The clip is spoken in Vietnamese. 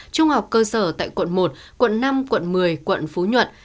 trung học cơ sở tại quận một quận năm quận một mươi quận phú nhuận